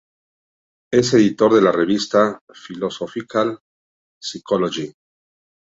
Es editor de la revista "Philosophical Psychology".